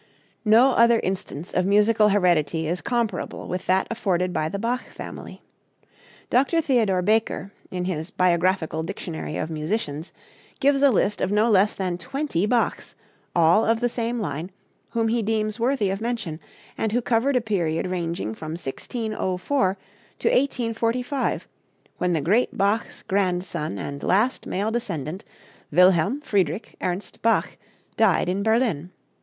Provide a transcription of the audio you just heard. No other instance of musical heredity is comparable with that afforded by the Bach family. Dr. Theodore Baker, in his "Biographical Dictionary of Musicians," gives a list of no less than twenty Bachs, all of the same line, whom he deems worthy of mention, and who covered a period ranging from 1604 to 1845, when the great Bach's grandson and last male descendant, Wilhelm Friedrich Ernst Bach, died in Berlin.